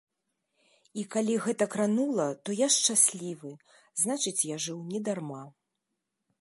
І, калі гэта кранула, то я шчаслівы, значыць я жыў не дарма.